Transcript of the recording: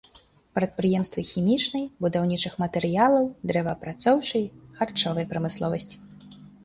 Прадпрыемствы хімічнай, будаўнічых матэрыялаў, дрэваапрацоўчай, харчовай прамысловасці.